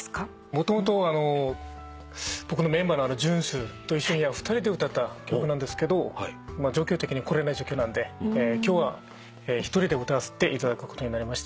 もともと僕のメンバーのジュンスと一緒に２人で歌った曲なんですけど状況的に来れない状況なんで今日は１人で歌わせていただくことになりまして。